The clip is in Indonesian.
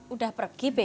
udah pergi be